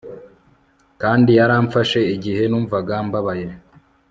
kandi yaramfashe igihe numvaga mbabaye